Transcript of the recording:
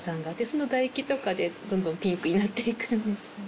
その唾液とかでどんどんピンクになって行くんです。